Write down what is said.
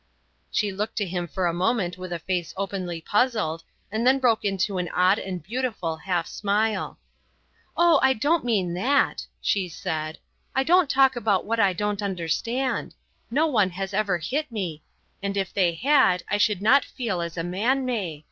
She looked at him for a moment with a face openly puzzled, and then broke into an odd and beautiful half smile. "Oh, I don't mean that," she said; "I don't talk about what I don't understand. No one has ever hit me; and if they had I should not feel as a man may.